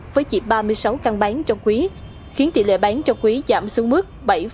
với chỉ ba mươi sáu căn bán trong quý khiến tỷ lệ bán trong quý giảm xuống mức bảy bốn mươi bốn